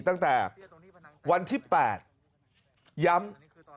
ตั้งแต่วันที่๘ย้ำ